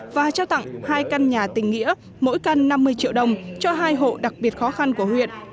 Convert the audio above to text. và trao tặng hai căn nhà tình nghĩa mỗi căn năm mươi triệu đồng cho hai hộ đặc biệt khó khăn của huyện